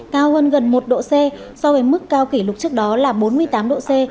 cao hơn gần một độ c so với mức cao kỷ lục trước đó là bốn mươi tám độ c